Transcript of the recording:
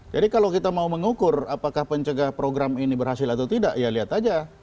jadi kalau kita mau mengukur apakah pencegah program ini berhasil atau tidak ya lihat aja